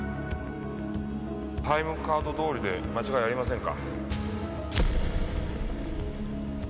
タイムカードどおりで間違いありませんか？